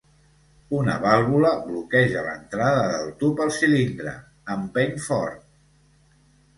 Una vàlvula bloqueja l'entrada del tub al cilindre, empeny fort!